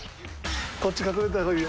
こっち隠れた方がいいよ。